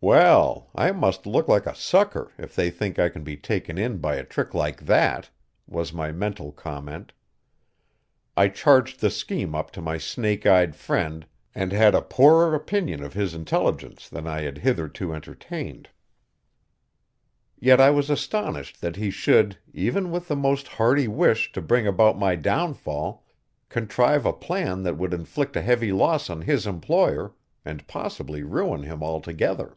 "Well, I must look like a sucker if they think I can be taken in by a trick like that," was my mental comment. I charged the scheme up to my snake eyed friend and had a poorer opinion of his intelligence than I had hitherto entertained. Yet I was astonished that he should, even with the most hearty wish to bring about my downfall, contrive a plan that would inflict a heavy loss on his employer and possibly ruin him altogether.